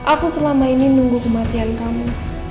aku selama ini nunggu kematian kamu